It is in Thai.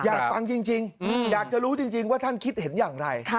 อยากฟังจริงอยากจะรู้จริงว่าท่านคิดเห็นอย่างไร